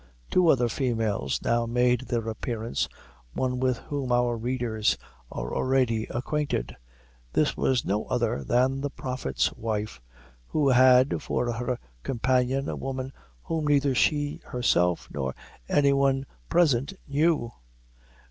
Two other females now made their appearance, one with whom our readers are already acquainted. This was no other than the prophet's wife, who had for her companion a woman whom neither she herself nor any one present knew.